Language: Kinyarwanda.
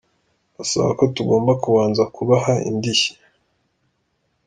Basaba ko tugomba kubanza kubaha indishyi.